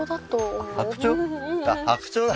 あっ白鳥だ！